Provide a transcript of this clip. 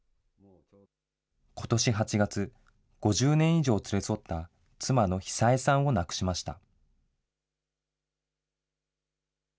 ことし８月、５０年以上連れ添った妻の久枝さんを亡くしました。